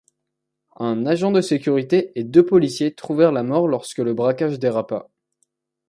Un agent de sécurité et deux policiers trouvèrent la mort lorsque le braquage dérapa.